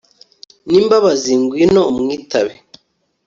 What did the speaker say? n'imbabazi, ngwino umwitabe